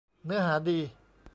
เนื้อหาดี